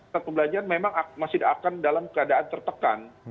perbelanjaan memang masih akan dalam keadaan tertekan